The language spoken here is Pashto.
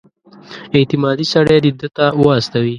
اعتمادي سړی دې ده ته واستوي.